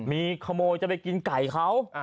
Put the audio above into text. มีขโมยจะไปกินไก่เขา